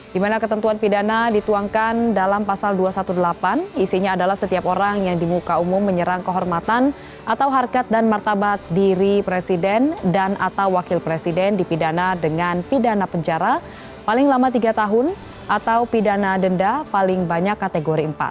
dimana ketentuan pidana dituangkan dalam pasal dua ratus delapan belas isinya adalah setiap orang yang di muka umum menyerang kehormatan atau harkat dan martabat diri presiden dan atau wakil presiden dipidana dengan pidana penjara paling lama tiga tahun atau pidana denda paling banyak kategori empat